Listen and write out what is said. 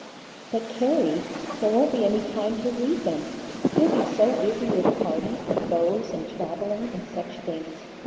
"But, Carrie, there won't be any time to read them; you'll be so busy with parties, and beaux, and travelling, and such things.